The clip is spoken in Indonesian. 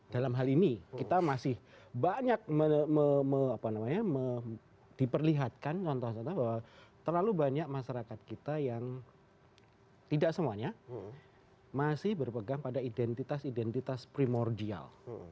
dalam hal ini kita masih banyak diperlihatkan contoh contoh bahwa terlalu banyak masyarakat kita yang tidak semuanya masih berpegang pada identitas identitas primordial